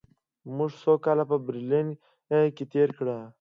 موږ څو کاله په برلین کې تېر کړل